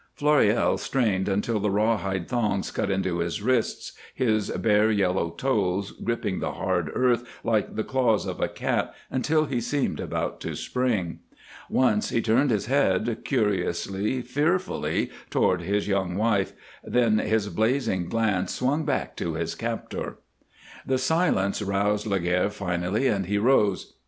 Floréal strained until the rawhide thongs cut into his wrists, his bare, yellow toes gripping the hard earth like the claws of a cat until he seemed about to spring. Once he turned his head, curiously, fearfully, toward his young wife, then his blazing glance swung back to his captor. The silence roused Laguerre finally, and he rose.